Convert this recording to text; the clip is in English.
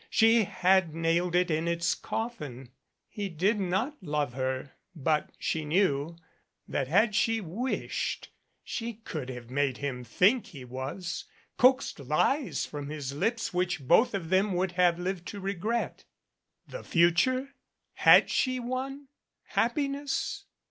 She had nailed it in its coffin. He did not love her, but she knew, that had she wished, she could have made him think he was, coaxed lies from his lips which both of them would have lived to regret. The future? Had she one? Happiness?